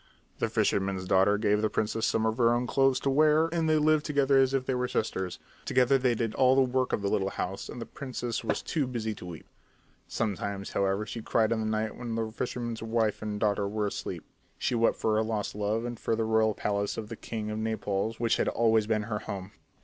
The fisherman's daughter gave the princess some of her own clothes to wear and they lived together as if they were sisters. Together they did all the work of the little house and the princess was too busy to weep. Sometimes, however, she cried in the night when the fisherman's wife and daughter were asleep. She wept for her lost love and for the royal palace of the king of Naples which had always been her home.